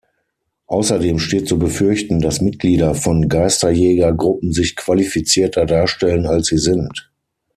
Außerdem steht zu befürchten, dass Mitglieder von Geisterjäger-Gruppen sich qualifizierter darstellen als sie sind.